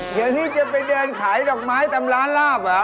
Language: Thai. อย่างนี้จะไปเดินขายดอกไม้แต่๑ล้านราบหรือ